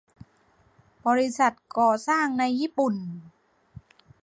บริษัทก่อสร้างในญี่ปุ่น